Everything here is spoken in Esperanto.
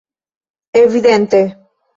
Evidente!